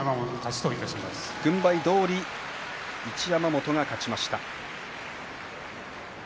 軍配どおり一山本が勝ちました。